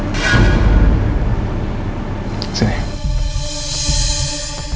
kukur ayamku udah matang belum ya